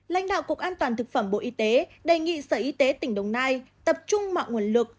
lãnh đạo cục an toàn thực phẩm bộ y tế đề nghị sở y tế tỉnh đồng nai tập trung mọi nguồn lực